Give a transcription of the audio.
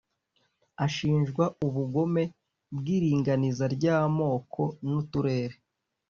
Ashinjwa ubugome bw’iringaniza ry’amoko n’uturere